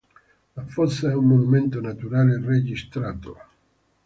La fossa è un monumento naturale registrato.